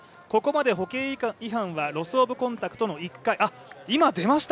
ここまで歩型違反はロス・オブ・コンタクトの１回あっ今出ました。